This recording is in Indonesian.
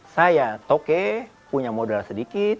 saya toke punya modal sedikit